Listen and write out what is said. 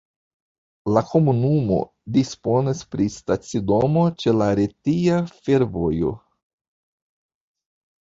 La komunumo disponas pri stacidomo ĉe la Retia Fervojo.